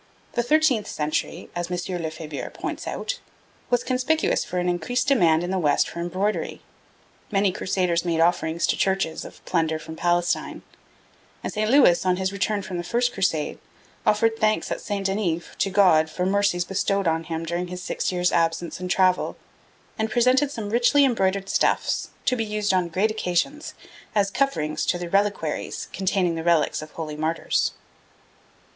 The thirteenth century, as M. Lefebure points out, was conspicuous for an increased demand in the West for embroidery. Many Crusaders made offerings to churches of plunder from Palestine; and St. Louis, on his return from the first Crusade, offered thanks at St. Denis to God for mercies bestowed on him during his six years' absence and travel, and presented some richly embroidered stuffs to be used on great occasions as coverings to the reliquaries containing the relics of holy martyrs.